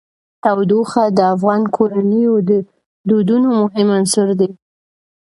تودوخه د افغان کورنیو د دودونو مهم عنصر دی.